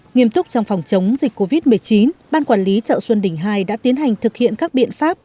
nghiêm túc trong phòng chống dịch covid một mươi chín ban quản lý chợ xuân đình ii đã tiến hành thực hiện các biện pháp